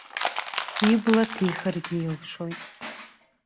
Ибла ҭихыргьы илшоит?